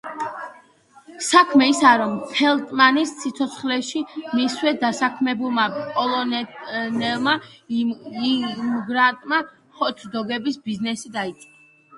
საქმე ისაა, რომ ფელტმანის სიცოცხლეშივე, მისივე დასაქმებულმა პოლონელმა იმიგრანტმა, ჰოთ-დოგების ბიზნესი დაიწყო.